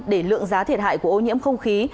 để lượng giá thiệt hại của ô nhiễm không khí